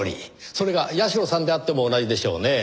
それが社さんであっても同じでしょうねぇ。